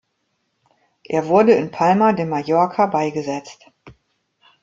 Er wurde in Palma de Mallorca beigesetzt.